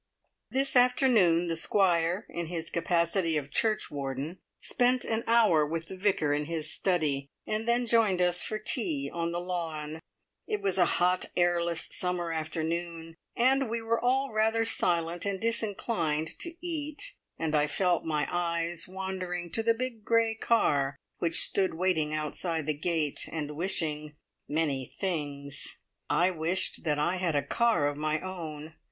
His afternoon the Squire, in his capacity of churchwarden, spent an hour with the Vicar in his study, and then joined us for tea on the lawn. It was a hot, airless, summer afternoon, and we were all rather silent and disinclined to eat, and I felt my eyes wandering to the big grey car which stood waiting outside the gate and wishing many things! I wished that I had a car of my own.